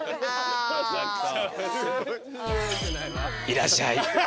いらっしゃい。